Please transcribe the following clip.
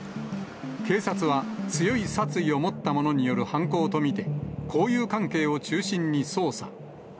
警察は、強い殺意を持った者による犯行と見て、交友関係を中心に捜査。